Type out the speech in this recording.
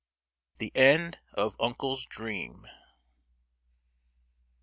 THE END OF "UNCLE'S DREAM."